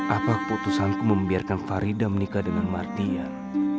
apa keputusanku membiarkan farida menikah dengan martial